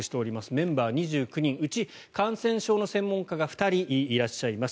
メンバー、２９人うち感染症の専門家が２人いらっしゃいます。